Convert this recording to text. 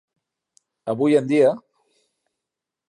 Avui en dia.